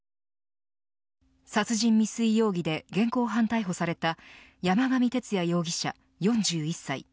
殺人未遂容疑で現行犯逮捕された山上徹也容疑者４１歳。